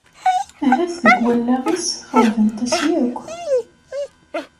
Ahat deg wallaɣ-is xeṛbent-as yakk.